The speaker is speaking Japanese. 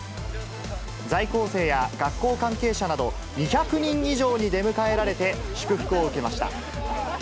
在校生や学校関係者など、２００人以上に出迎えられて、祝福を受けました。